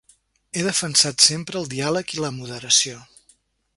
He defensat sempre el diàleg i la moderació.